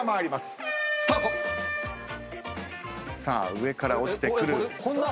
上から落ちてくる。